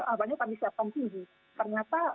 awalnya kami siapkan tinggi ternyata